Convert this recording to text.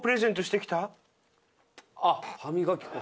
あっ歯磨き粉。